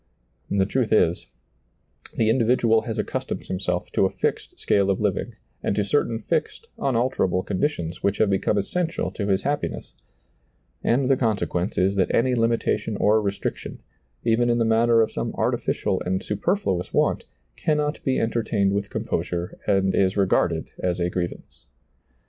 The truth is, the individual has accustomed himself to a fixed scale of living and to certain fixed, unalterable conditions which have become essential to his ^lailizccbvGoOgle 152 SEEING DARKLY happiness, and the consequence is that any limi tation or restriction, even in the matter of some artificial and superfluous want, cannot be enter tained with composure and is regarded as a griev ance.